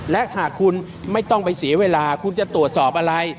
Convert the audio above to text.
และหากคุณไม่ต้องไปเสียเวลาคุณจะตรวจสอบอะไร